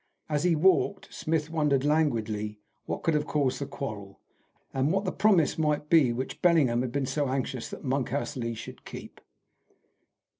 As he walked, Smith wondered languidly what could have caused the quarrel, and what the promise might be which Bellingham had been so anxious that Monkhouse Lee should keep.